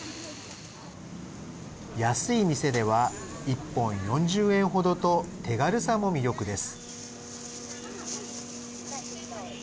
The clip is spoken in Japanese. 安い店では１本４０円程と手軽さも魅力です。